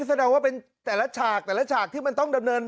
แสดงว่าเป็นแต่ละฉากแต่ละฉากที่มันต้องดำเนิน